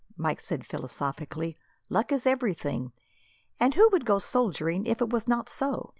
Mike said, philosophically, "Luck is everything. And who would go soldiering, if it was not so?